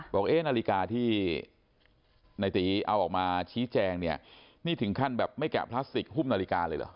บอกเอ๊ะนาฬิกาที่ในตีเอาออกมาชี้แจงเนี่ยนี่ถึงขั้นแบบไม่แกะพลาสติกหุ้มนาฬิกาเลยเหรอ